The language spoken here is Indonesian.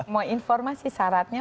mau informasi syaratnya